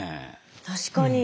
確かに。